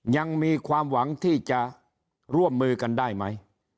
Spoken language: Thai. ยังมีความหวังที่จะร่วมมือกันได้ไหม